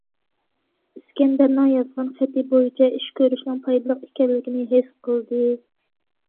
ئىسكەندەرنىڭ يازغان خېتى بويىچە ئىش كۆرۈشنىڭ پايدىلىق ئىكەنلىكىنى ھېس قىلدى.